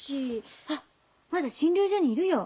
あっまだ診療所にいるよ。